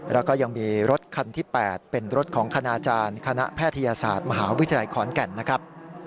แล้วก็ยังมีรถคันที่๘เป็นรถของคณาจารย์คณะแพทยศาสตร์มหาวิทยาลัยขอนแก่นนะครับ